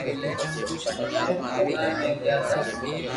پسي ڪمرا مي گيا تا